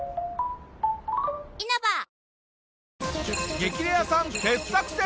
『激レアさん』傑作選